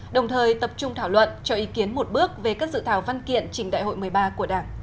đồng thời tập trung thảo luận cho ý kiến một bước về các dự thảo văn kiện trình đại hội một mươi ba của đảng